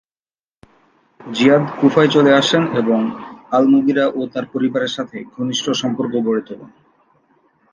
যিয়াদ কুফায় চলে আসেন এবং আল-মুগিরা ও তার পরিবারের সাথে ঘনিষ্ট সম্পর্ক গড়ে তোলেন।